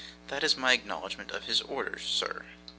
That's my acknowledgment of his orders, sir!